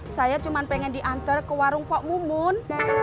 saya cuma pengen diantar ke warung pak mumun